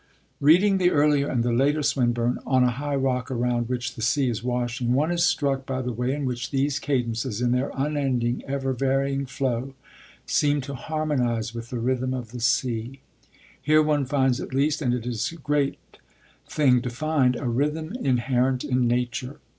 Reading the earlier and the later Swinburne on a high rock around which the sea is washing, one is struck by the way in which these cadences, in their unending, ever varying flow, seem to harmonise with the rhythm of the sea. Here one finds, at least, and it is a great thing to find, a rhythm inherent in nature.